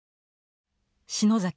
篠崎